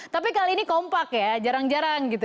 tapi kali ini kompak ya jarang jarang gitu